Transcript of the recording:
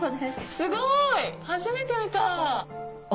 すごい初めて見た。